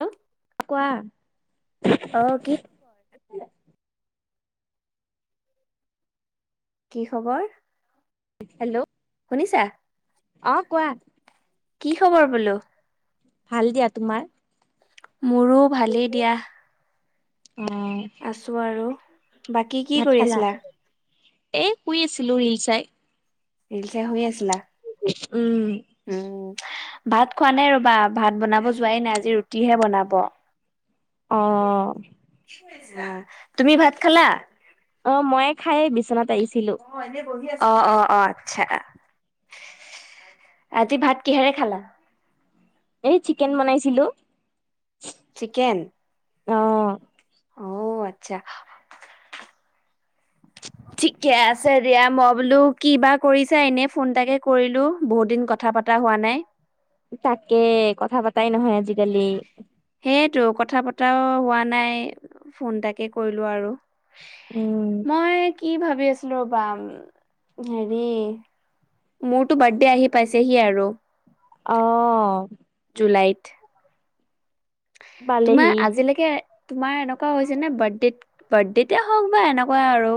হা। কোৱা। আহ কি খব। কি খবৰ। হেল্ল'। শুনিছা। অ কোৱা। কি খবৰ বোলো। ভাল দিয়া তোমাৰ? মোৰো ভালেই দিয়া আছো আৰু বাকী কি ভাত কৰি খালা আছিলা? এ শুই আছিলো ৰিলচাই। ৰিল চ হৈ আছে উম ভাত খোৱা নাই ৰবা ভাত বনাব যোৱাই নাই আজি ৰুটিহে বনাব। অ তুমি ভাত খালা? অ মই খাই বিচনাত আহিছিলো। অ অ অ আচ্ছা আজি ভাত কিহেৰে খালা? এই চিকেন বনাইছিলো। চিকেন অ অ আচ্ছা [unintelligible] ঠিকে আছে দিয়া মই বোলো কি বা কৰিছা এনেই ফোন তাকে কৰিলো বহুত দিন কথা পাতো হোৱা নাই? তাকে কথা পাতাই নহয় আজিকালি? এইটো কথা পতাও হোৱা নাই ফোনটাকে কৰিলো আৰু উম মই কি ভাবি আছিলো ৰ'বা হেৰি মোৰতো বাৰ্থডে আহি পাইছেহি আৰু অ জুলাইত তোমাৰ পালেহি আজিলৈকে তোমাৰ এনেকুৱা হৈছে নে বাৰ্থডেত বাৰ্থডেতে হওক বা এনেকুৱা আৰু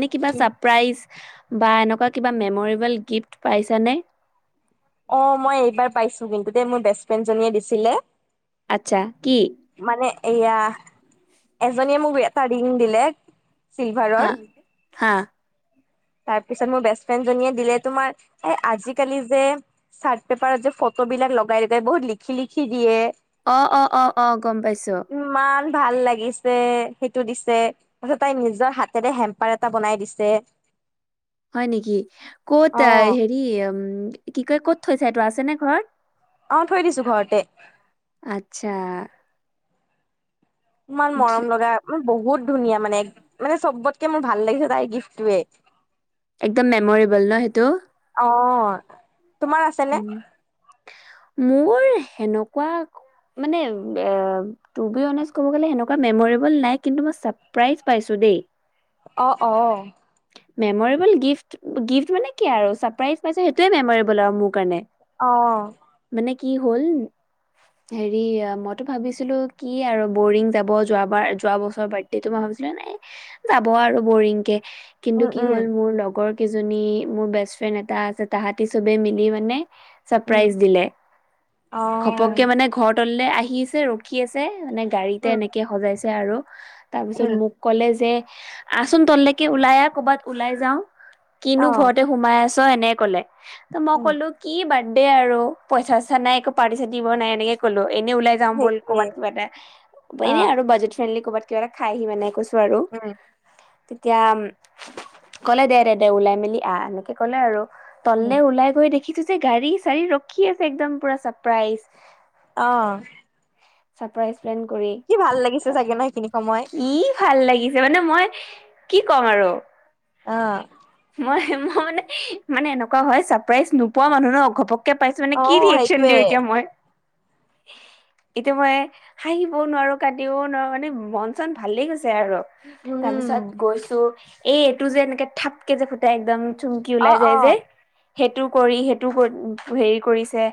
এনেই কিবা ছাৰপ্ৰাইজ বা এনেকুৱা কিবা মেমৰেবল গিফ্ট পাইছানে? অ মই এইবাৰ পাইছো কিন্তু দে মোৰ বেষ্ট ফ্ৰেণ্ড জনীয়ে দিছিলে। আচ্ছা কি? মানে এয়া এজনীয়ে মোক এটা ৰিং দিলে। হ চিলভাৰৰ হা তাৰ পিছত মোৰ বেষ্টফ্ৰেণ্ড জনীয়ে দিলে তোমাৰ আজি কালি যে চাৰট পেপাৰ যে ফ বিলাক লগাই লগাই বহুত লিখি লিখি দিয়ে অ অ অ অ গম পাইছো। ইমান ভাল লাগিছে সেইটো দিছে তাৰছত তাই নিজৰ হাতেৰে হেম্পাৰ এটা বনাই দিছে। [unintelligible] [inaudible] হয় নেকি ক'ত অ হেৰি উম কি কয় ক'ত থৈছ এইটো আছে নে ঘৰত। অ থৈ দিছো ঘৰতে আচ্ছা ইমান মৰম লগা বহুত ধুনীয়া মানে মানে চবতকে মোৰ ভাল লাগিছে তাই গিফ্টোৱে। একদম মেমৰেবল ন সেইটো। অ তোমাৰ আছে নে? উম মোৰ সেনেকুৱা মানে তেনেকে কবলে গলে হেনে কোৱা মেমৰেবল নাই কিন্তু ছাৰপ্ৰাইজ পাইছোঁ। দেই অ অ মেমৰেবল গিফ্ট গিফ্ট মানে কি আৰু ছাৰপ্ৰাইজ পাইছে সেইটোৱে মেমৰেবল আৰু মোৰ কাৰণে। অ মানে কি হ'ল? হেৰি মইতো ভাবিছিলো কি আৰু বৰিং যাব যোৱাবাৰ যোৱা বছৰ বাদডো মই ভাব ব ন যাব আৰু বৰিং কে [unintelligible] কিন্তু উম কি উম হ'ল মোৰ লগৰ কেইজনী মোৰ বেষ্ট ফ্ৰেণ্ড এটা আছে তাহাঁতি চবে মিলি মানে উম চাপৰাইচ দিলে অ ঘপককে মানে ঘৰতললে আহ আহিছে ৰখি আছে মানে গাড়ীতে উম এনেকে সজাইছে আৰু তাৰ পিছত উম মোক ক'লে যে আচোন তললৈকে ওলাই আহ কৰ'বাত ওলাই যাও কিনো অ ঘৰতে সোমাই আছো এনে কলে ত মই উম কলো কি বান সেইয়া আৰু পইচা চচা নাই একো চাৰ্তি দিব নাই এনেকে কলো। এনেই ওলাই যাম বল সেইটোৱে ক'ৰবাত কিবা এটা অ এনে আৰু বাজেট ফ্ৰেডলি ক'বাত কিবা এটা খাইহি মানে আৰু উম তেতিয়া কলে দে দে দে ওলাই মেলি আহ এনেকে কলে আৰু তলে অ ওলাই গৈ দে ৰাখিছো যে গাড়ী চাৰি ৰখি আছে একদম পুৰা চাৰপ্ৰাইজ আহ চাৰপ্ৰাইজ প্লেন কৰি চাগে ন সেইখিনি সময় কি ভাল লাগি চিলে মানে মই কি ক'ম আৰু অ মই মই মানে মানে এনেকুৱা হয় ছাৰপ্ৰাইজ নোপোৱা মানুহ ন ঘপক কে পাইছো মানে অ কি ৰিয়েকচন সেইটোৱে দিওঁ এতিয়া মই এতিয়া মই হাঁহিবও নোৱাৰো কান্দিবলৈ নোৱাৰো মানে মন চন ভালেই গৈছে আৰু তাৰ উম পিছত গৈছো এই এইটো যে এনেকে থাপকে যে ফুটাই একদম চুমকি অ ওলাই যায় অ যে সেইটো কৰি সেইটো কৰি হেৰি কৰিছে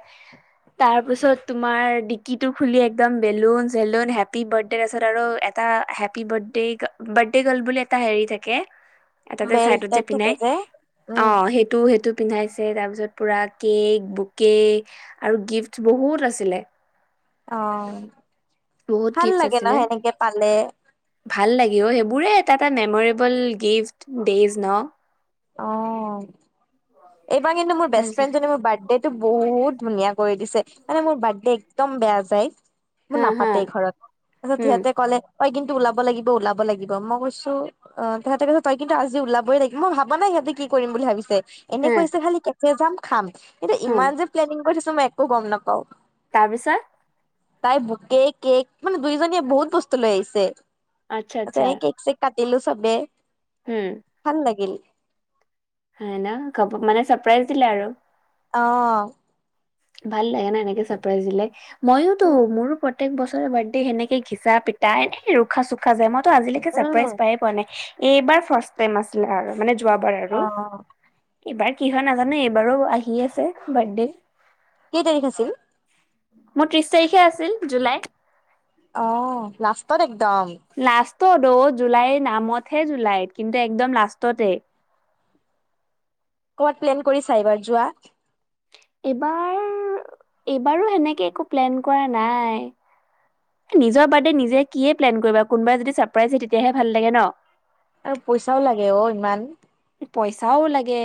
তাৰ পিছত তুমাৰ ডিকি তো খুলি একদম বেলুন চেলুন হেপি বাৰ্থডে তাৰ পাছত আৰু এটা happy birthday birthday girl বুলি এটা হেৰি থাকে এটাতে বেল চাইডত যে টাইপ পিনে থাকে অ উম সেইটো সেটো পিন্ধাইছে তাৰ পিছত পুৰা কেক বুকে আৰু গিফ্ট বহুত আছিলে অ বহুত ভাল গিফ্ট লাগে ন আছিলে সেনেকে পালে ভাল লাগিল।। অ সেইবোৰে এটা এটা মেমৰেবল গিফ্ট ডেইজ ন অ এইবাৰ কিন্তু মোৰ বেষ্ট ফ্ৰেণ্ডনে মোৰ বাৰ্থডে টো বহুত ধুনীয়া কৰি দিছে মানে মোৰ বাৰ্থডে একদম বেয়া যায়। মোৰ হা হা নাপাতে ঘৰত তাৰপিছত উম সিহঁতে ক'লে কিন্তু ওলাব লাগিব ওলাব লাগিব মই কৈছোঁ অ তাহেতে কৈছ তই কিন্তু আজি ওলাবই লাগিব মই ভ নাই সিহঁতে কি কৰিম বুলি ভাবিছে এনে হা কৈছে খালি কেফে যাম খাম কিন্তু উম ইমান যে প্লেনিং কৰি থৈ। ত মই একো গম নাপাওঁ তাৰপিছত। তাই বুকে কেক মানে দুইজনীয়ে বহুত বস্তু লৈ আহিছে। আচ্ছা আচ্ছা তেনে কেক চেক কাটিলোঁ চবে উম ভাল লাগিল। হয় না মানে চাপ্ৰাইজ দিলে আৰু। অহ ভাল লাগে ন এনেকে চাপ্ৰৰাইজ দিলে মইও তো উম মোৰ ও প্ৰত্যেক বছৰ বাৰ্থডে সেনেকেই ঘিচা পিতা এনেই ৰুখা চুখা যায় মইতো আজিলৈকে চাৰপ্ৰাইজ উম পায়েই পোৱা নাই। এইবাৰ ফাৰ্ষ্ট টাইম আছিলে আৰু মানে যোৱাবাৰ অ আৰু এইবাৰ কি হয় নাজানোঁ এইবাৰো আহি আছে বাৰ্থডে। কেই তাৰিখ আছিল? মোৰ ত্ৰিশ তাৰিখে আছিল জুলাই। আহ লাষ্টত একদম অহ টো জুলাইৰ নামতহে জুলাইত কিন্তু একদম লাষ্টতে। [unintelligible] ক'বাত প্লেন কৰিছা এইবাৰ যোৱা? এইবাৰ এইবাৰো সেনেকে একো প্লেন কৰা নাই। নিজৰ বাৰ্থডে নিজে কিহে প্লেন কৰিবা কোনোবাই যদি চাপ্ৰৰাইজ দিয়ে তেতিয়াহে ভাল লাগে ন আৰু পইচাও লাগে অ ইমান। পইচাও লাগে।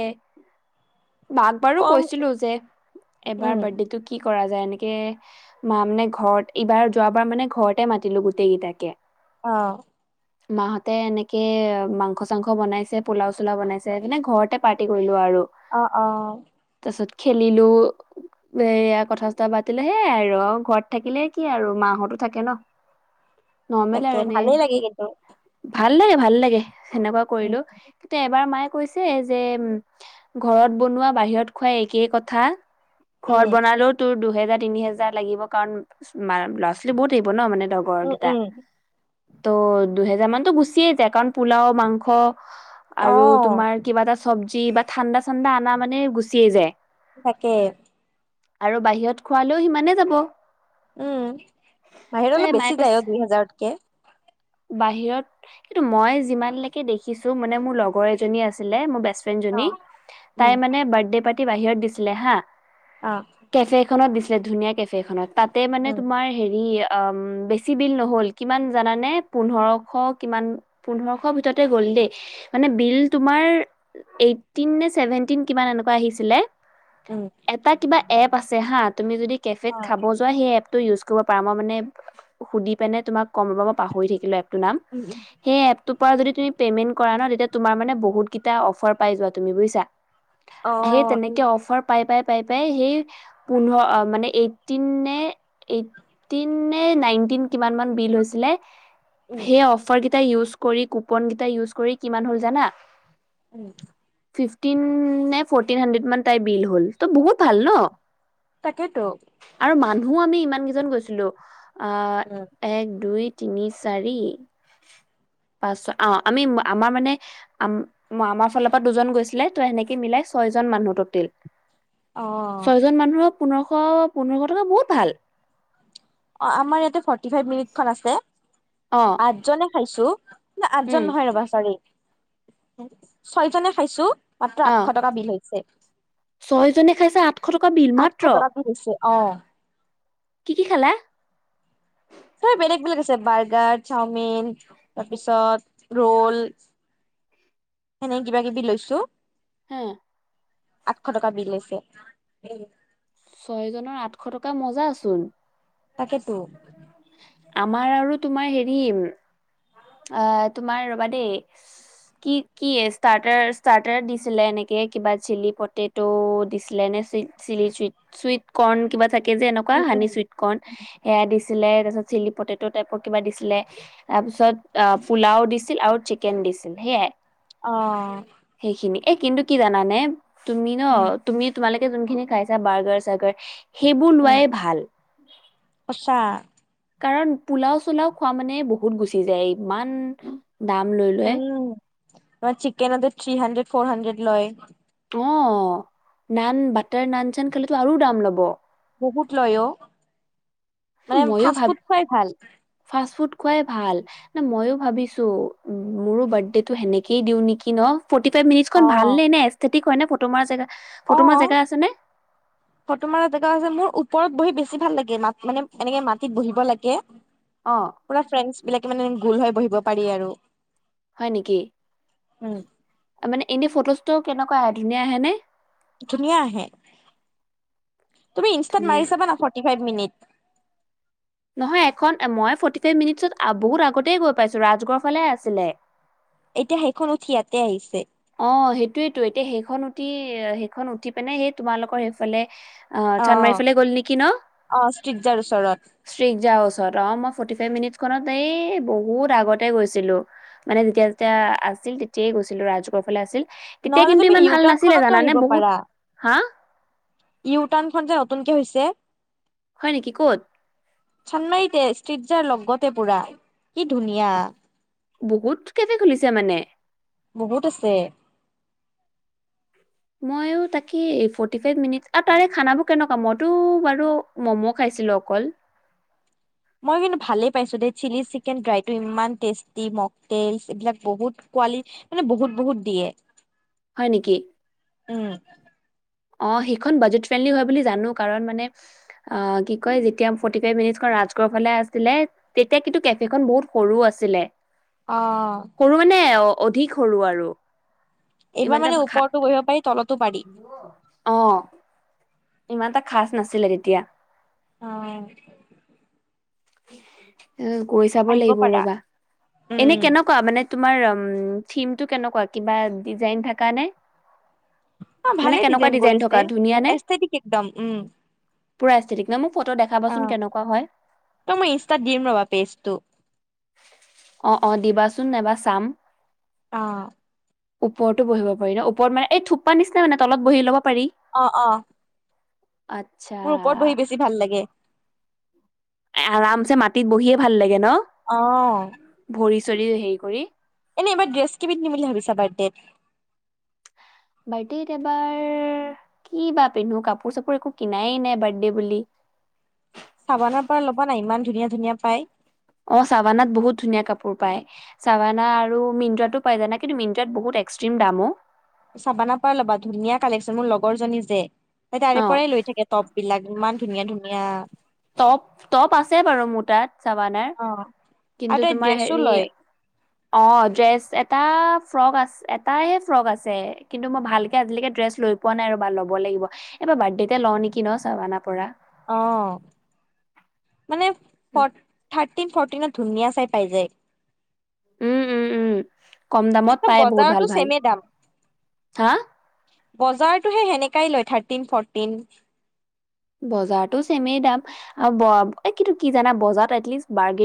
মাক বাৰো কম কৈছিলোঁ যে উম এবাৰ বাৰ্থডে টো কি? কৰা যায় এনেকে মা মানে ঘৰত এইবাৰ যোৱাবাৰ মানে ঘৰতে মাতিলো গোটেই কেইটাকে। আহ। মাহতে এনেকে মাংস চাংস বনাইছে পোলাও। পোলাও বনাইছে মানে ঘৰতে পাৰ্টি কৰিলোঁ আৰু- অ অ তাৰ পাছত খেলিলোঁ। এয়া কথা চথা পাতিলে সেয়াই আৰু ঘৰত থাকিলে কি আৰু মা‌ হতো থাকে ন। নৰ্মেল তাকে আৰু এনে ভালেই লাগে কিন্তু ভাল লাগে ভাল লাগে সেনেকুৱা উম কৰিলোও। তে এবাৰ মায়ে কৈছে যে উ ঘৰত বনোৱা বাহিৰত খোৱা একেই কথা। উম ঘৰত বনালো তোৰ দুহেজাৰ। তিনি হাজাৰ লাগিব, কাৰণ ল'ৰা ছোৱালী বহুত আহিব ন মানে লগৰ উম কেইটা। উম ত' দুহেজাৰ মানতো গুচিয়েই যায় কাৰণ পোলাও মাংস। অ আৰু তোমাৰ কিবা এটা চব্জি বা ঠাণ্ডা চানণ্ডা আনা মানে গুচিয়েই যায়। তাকে। আৰু বাহিৰত খোৱালেও সিমানে যাব। উম বাহিৰত তাই অলপ মায়ে বেছি যায়, কৈছে অ দুই হাজাৰতকে। বাহিৰত কিন্তু মই যিমানলৈকে দেখিছোঁ মানে মোৰ লগৰ এজনী আছিলে মোৰ বেষ্ট ফ্ৰেণ্ড অ জনি উম তাইৰ মানে বাৰ্থডে পাৰ্টি বাহিৰত দিছিলে হা, অ কেফে খনত দিছিলে ধুনীয়া কেফে খনত তাতে মানে উম তোমাৰ হেৰি- বেছি বিল নহ'ল কিমান জানানে? পোন্ধৰশ কি পোন্ধৰশ ভিতৰত গ'ল দেই, মানে বিল তোমাৰ- এইতিন নে চেভেনটিন কিমান এনেকুৱা আহিছিলে। উম এটা কিবা এপ আছে হা, তুমি যদি কেফেত অ খাব যোৱা সেই এপটো উইজ পাৰ মই মানে সুধি পেনে তোমাক কম ৰ মই পাহৰি থাকিলো এপটো নাম উম উম সেই এপ যদি তুমি পে'মেণ্ট কৰা ন তেতিয়া তোমাৰ মানে বহুত কেইটা অফাৰ পাই যোৱা বুজিছা অ সেই তেনেকে অফাৰ পাই পাই পাই পাই সেই পোন্ধৰ মানে এইটিইণ নে নে নাইটিন কিমান বিল হৈছিলে। উম সেই অফাৰ কেইটা উউছজ কৰি কুপন কেইটা উইজ কৰি কিমান হল জানা। উম ফিফটিন নে ফটিন হাণ্ডেৰ্ড মান তাই বিল হ'ল ত' বহুত ভাল ন। তাকেই তো আৰু মানুহ আমি ইমান কেইজন গৈছিলোঁ, অহ উম এক দুই তিনি চাৰি পাঁচ অ আমি আমাৰ মানে আমাৰ ফালৰ পৰা দুজন গৈছিলে তই সেনেকে মিলাই ছয়জন মানুহ টোটেল অ ছয়জন মানুহক পোন্ধৰশ পোন্ধৰশ টকা বহুত ভাল। অ আমাৰ ইয়াতে ফৰ্টি ফাইভ মিনিটখন আছে অ আঠজনে খাইছো। ন উম আঠজন নহয় ৰবা সওৰি ছয়জনে খাইছো। মাত্ৰ অ আঠশ টকা বিল হৈছে। ছয়জনে খাইছে আঠশ টকা বিল মাত্ৰ। আঠশ টকা বিল হৈছে অ' কি কি খালা? তই বেলেগ বেলেগ আছে বাৰ্গাৰ, চাওমিন তাৰপিছত ৰোল। এনে কিবা কিবি লৈছো। হা আঠশ টকা বিল আহিছে। ছয়জনৰ আঠশ টকা মজা আচোন তাকেতো আমাৰ আৰু তোমাৰ হেৰি অ তোমাৰ ৰবা দেই কি কি ষ্টাৰ্টাৰ ষ্টাৰ্টাৰ দিছিলে এনেকে কিবা চিলি পটেটো দিছিলে নে চিলি চুই চুইট কৰ্ণ কিবা থাকে যে এনেকুৱা উম উম হানি চুইট কৰ্ণ সেয়া দিছিলে তাৰিত চিলি পটেট টাইপৰ কিবা দিছিলে তাৰপিছত অ পোলাও দিছিল আৰু চিকেন দিছিল সেইয়াই অ এ কিন্তু কি জানে তুমি ন উম তুমি তোমালোকে যোনখিনি খাইছা বাৰ্গাৰ চাৰ্গাৰ সেইবোৰ উম লোৱাই ভাল সঁচা কাৰণ পোলাও চোলাও খোৱা মানে বহুত গুচি যায় ইমান দাম লৈ লয় তমাৰ chicken three hundred four hundred লয় অ নান বাটাৰ নান চান খালেতো আৰু দাম ল'ব বহুত লয় অ মানে ফাষ্ট ফুড খুৱাই ভাল খুৱাই ভাল না মইো ভাবিছো মোৰো বাৰ্থডেটো সেনেকেই দিওঁ নেকি ন ফৰ্টি ফাইভ মিনটছখন অ ভালনে ন এছটিক কয় নে ফটো মাৰা জে অ ফটোমাৰ জকাছে মোৰ ওপৰত বহি বেছি ভাল লাগে ম মানে এনেকে মাটিত বহিব লাগে অ পুৰা ফ্ৰে বিলাকে মানে গোল হৈ বহিব পাৰি আৰু হয় নেকি উম মানে এনে ফটোজটো কেনেকুৱা আহে ধুনীয়া আহে নে ধনিয়া আহে তুমি ইনষ্টাট ধুনীয়া মাৰি চাবা না ফৰ্টি ফাইভ মিনিট নহয় এখন মই ফৰ্টি ফাইভ মিনিটছত বহুত আগতেই গৈ পাইছোঁ ৰাজগড় ফালে আছিলে [unintelligible] এতিয়া সেইখন উঠি ইয়াতে আহিছে। অ সেইটোয়েতো, এতিয়া সেইখন উঠি সেইখন উঠি পিনে সেই তোমালোকৰ সেইফালে আহ অ চানমাৰীৰ ফালে গ'ল নেকি ন? অ ষ্ট্ৰিটজাৰ ওচৰত ষ্ট্ৰিক যা ওচৰত অ মই ফটি ফাই মিনিট খনত এই বহুত আগতে গৈছিলো মানে যেতিয়া যেতিয়া আছিল তেতিয়াই গৈছিলো, ৰাজু ফালে আছিল তেতিয়া নহ'লে কিন্তু তুমি ইমান ভাল ইউটাৰ্ণ নাছিলে খনতো জানানে বহুত, হা? ইউটানখন যে নতুনকে হৈছে। হয় নেকি ক'ত? চন্মেইটে ষ্ট্ৰীত জাৰ লগতে পুৰা, কি ধুনীয়া! বহুত কেফে খুলিছে মানে। বহুত আছে। মইও তাকে ফৰ্টি ফাইভ মিনিট, আৰু তাৰে খানাবোৰ কেনেকুৱা? মইতো বাৰু ম'ম' খাইছিলোঁ। কল। মই কিন্তু ভালেই পাইছো দেই, চিলি চিকেন ড্ৰাইটো ইমান টেষ্টি, মকতেলচ এইবিলাক বহুত পোৱালি মানে বহুত বহুত দিয়ে। হয় নেকি? উম অ সেইখন বাজেট ফ্ৰেনলি হয় বোলি জানো, কাৰণ মানে অ কি কয় যেতিয়া ফৌৰটি ফাইভ মিনিটছ খন ৰাজগড় ফালে আছিলে তেতিয়া কিন্তু কেফেখনন বহুত সৰু আছিলে। অ সৰু মানে অধিক সৰু আৰু। ইমান এইবাৰ মানে এটা খা ওপৰতো বহিব পাৰি তলতো পাৰি। আহ ইমান এটা খাজ নাছিলে তেতিয়া। অ। অ গৈ চাব আহিব লাগিব পাৰা। ৰবা এনে কেনেকুৱা মানে তোমাৰ থিমটো কেনেকুৱা কিবা ডিজাইন থাকা নে? অ মানে ভালে কেনেকুৱা ডিজাইন থকা কৰিছে ধুনীয়া নে এচঠাটিক একদম উম। পুৰা এচটিটিক না? মোক ফটো অ দেখাবাচোন কেনেকুৱা হয়? ত মই ইনষ্ট্ৰাত দিম ৰবা পেজটো। চোন এবা চাম। অহ ওপৰতো বহিব পাৰি ন ওপৰ মানে থোপা নিচিনা মানে তলত বহি লব- পাৰি অহ অহ আচ্ছা মোৰ ওপৰত বহি বেছি ভাল লাগে- আৰামছে মাটিত বহিয়ে ভাল লাগে ন অহ। ভৰি চৰি হেৰি কৰি এনে এইবাৰ ড্ৰেছ কি পিন্ধিম বুলি ভাবিছা বাৰ্থডেত? বাৰ্থডে এবাৰ কি বা পিন্ধো কাপোৰ চাপোৰ একো কিনাই নাই বাৰ্থডে বুলি। [unintelligible] চাবানাৰ পৰা ল'বা না ইমান ধুনীয়া ধুনীয়া পাই। অ চাৱানাত বহুত ধুনীয়া কাপোৰ পায় চাৱানা আৰু মিন্ত্ৰাতটো পাই জানা কিন্তু মিন্ত্ৰাত বহুত এক্সট্ৰিম দামো অ। চাবানা পা ল'বা ধুনীয়া কালেকচন মোৰ লগৰ জনী যে অ তাৰে পৰাই লৈ থাকে টপ বিলাক ইমান ধুনীয়া ধুনীয়া। টপ টপ আছে বাৰু মোৰ তাত চাৱানাৰ। অ আৰু কিন্তু তাই তোমাৰ ড্ৰেছো হেৰি লয় অ ড্ৰেছ এটা ফ্ৰক আ এটাইে ফ্ৰক আছে কিন্তু মই ভালকে আজিলকে ড্ৰেছ লৈ লৈ পোৱা নাই আৰু বা লব লাগিব, এই বাৰ্থডেতে লওঁ নেকি চবানা পৰা। অহ। মানে থাৰ্টিন ফৰ্টিনত ধুনীয়া চাই পাই যায়। উম উম উম। কম দামত পায় বহুত বজাৰতো ভাল ভাল। ছেমে হা? বজাৰটোহে সেনেকাই লয় থাৰ্টিন ফৰটিন। বজাৰতো চেমেই দাম আৰু কিন্তু কি জানা বজাৰত এলিষ্ট বাৰ্গ